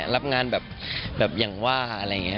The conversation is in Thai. รับงานแบบอย่างว่า